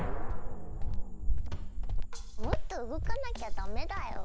もっと動かなきゃダメだよ！